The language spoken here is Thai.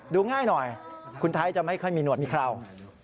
ดูง่ายหน่อยคุณไทยจะไม่ค่อยมีหวดมีเครา